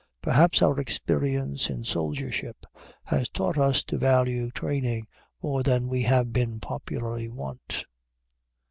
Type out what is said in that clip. Perhaps our experience in soldiership has taught us to value training more than we have been popularly wont.